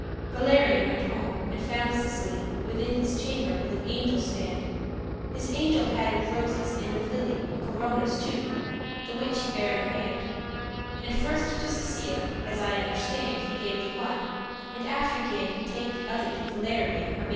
Valerian went home, and found Cecilie Within his chamber with an angel stand; This angel had of roses and of lily Corones* two, the which he bare in hand, *crowns And first to Cecile, as I understand, He gave the one, and after gan he take The other to Valerian her make.